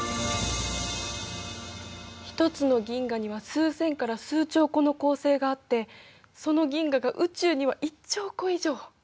１つの銀河には数千から数兆個の恒星があってその銀河が宇宙には１兆個以上！